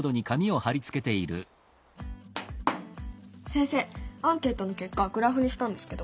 先生アンケートの結果グラフにしたんですけど。